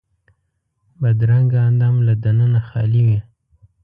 بدرنګه اندام له دننه خالي وي